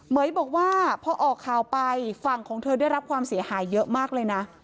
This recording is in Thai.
ยบอกว่าพอออกข่าวไปฝั่งของเธอได้รับความเสียหายเยอะมากเลยนะ